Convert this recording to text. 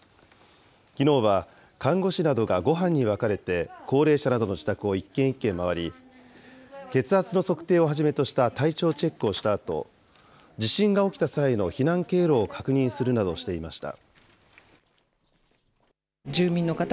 きのうは、看護師などが５班に分かれて、高齢者などの自宅を一軒一軒回り、血圧の測定をはじめとした体調チェックをしたあと、地震が起きた際の避難経路を確認するなどしていました。